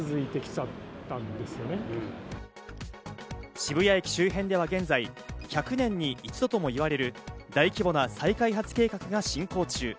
渋谷駅周辺では現在、１００年に一度ともいわれる大規模な再開発計画が進行中。